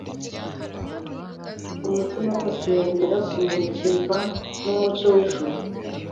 Umutima wose wemera kumurikimva n'umucyo w'ijuru,